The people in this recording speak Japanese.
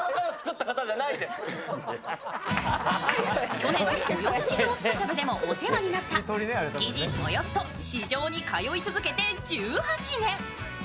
去年、豊洲市場スペシャルでお世話になった築地・豊洲と市場に通い続けて１８年。